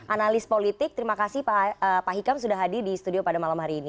analis politik terima kasih pak hikam sudah hadir di studio pada malam hari ini